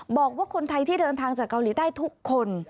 บอกว่าคนไทยที่เดินทางจากเกาหลีใต้ทุกคน